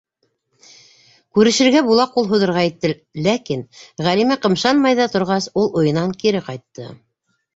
Күрешергә була ҡул һуҙырға итте, ләкин, Ғәлимә ҡымшанмай ҙа торғас, ул уйынан кире ҡайтты.